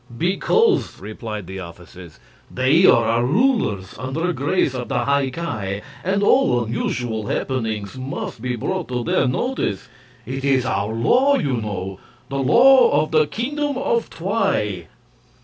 "Because," replied the officers, "they are our rulers, under grace of the High Ki, and all unusual happenings must be brought to their notice. It is our law, you know the law of the Kingdom of Twi."